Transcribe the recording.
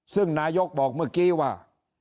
ซึ่งนายกบอกเมื่อกี้ว่า